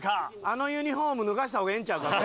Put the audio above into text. あのユニホーム脱がした方がええんちゃうか？